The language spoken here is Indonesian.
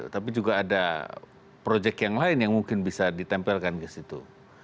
tapi juga ada proyek yang lain yang mungkin bisa ditempelkan ke situ